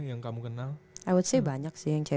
yang kamu kenal i would say banyak sih